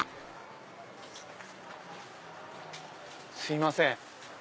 すいません